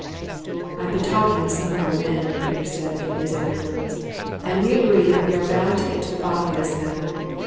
"I've been talking with some of our men," Peter said a few days afterward, "and we agree that we are bound to get to the bottom of this matter.